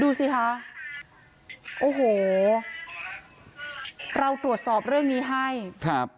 ดูสิคะโอ้โหเราตรวจสอบเรื่องนี้ให้ครับ